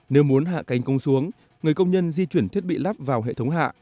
nếu muốn hạ cánh công xuống người công nhân di chuyển thiết bị lắp vào hệ thống hạ